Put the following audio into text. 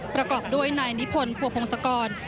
ประกอบด้วยนายนิพนธัวพงศกร